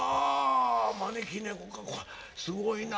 招き猫かすごいな。